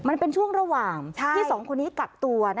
มันเป็นช่วงระหว่างที่สองคนนี้กักตัว